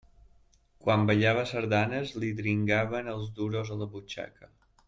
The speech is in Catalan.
Quan ballava sardanes li dringaven els duros a la butxaca.